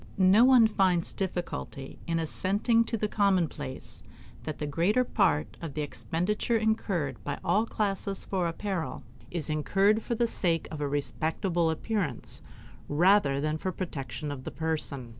No one finds difficulty in assenting to the commonplace that the greater part of the expenditure incurred by all classes for apparel is incurred for the sake of a respectable appearance rather than for the protection of the person.